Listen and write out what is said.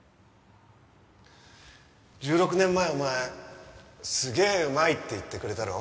１６年前お前「すげーうまい」って言ってくれたろ？